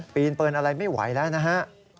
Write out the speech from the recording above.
ปีนปืนอะไรไม่ไหวแล้วนะฮะ